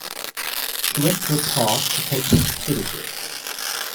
She went to a park to take some footages.